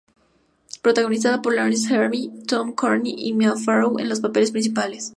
Protagonizada por Laurence Harvey, Tom Courtenay y Mia Farrow en los papeles principales.